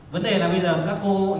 vấn đề là bây giờ các cô nhà trường